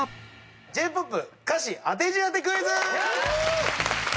Ｊ−ＰＯＰ歌詞当て字当てクイズ！